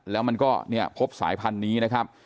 แล้วมันก็เนี่ยพบสายพันธุ์นี้นะครับ